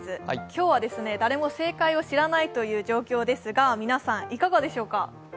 今日は誰も正解を知らないという状況ですが皆さん、いかがでしょうか。